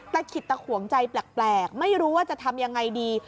ขิดตะขวงใจแปลกไม่รู้ว่าจะทำยังไงดี